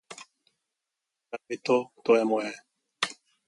Neber mi to, to je moje!